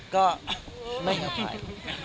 ก็ไม่อภัย